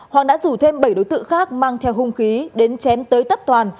hoàng đã rủ thêm bảy đối tượng khác mang theo hung khí đến chém tới tấp toàn